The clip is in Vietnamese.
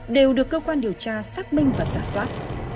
đều được cơ quan điều tra xác minh và giả soát